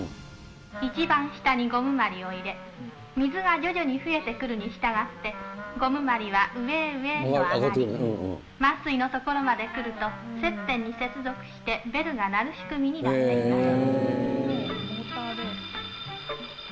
一番下にゴムまりを入れ、水が徐々に増えてくるにしたがって、ゴムまりは上へ上へと上がり、満水の所まで来ると、接点に接続して、ベルが鳴る仕組みになっています。